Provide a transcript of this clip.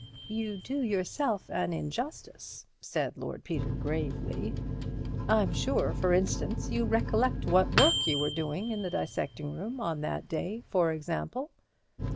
"You do yourself an injustice," said Lord Peter gravely. "I'm sure, for instance, you recollect what work you were doing in the dissecting room on that day, for example."